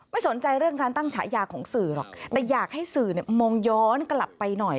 สนใจเรื่องการตั้งฉายาของสื่อหรอกแต่อยากให้สื่อมองย้อนกลับไปหน่อย